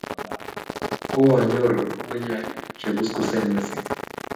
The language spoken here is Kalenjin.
Koanyoru ng'ung'unyek che kuskusen mising